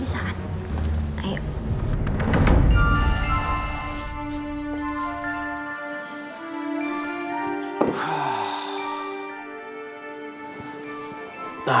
pasti kalau ada orang bisa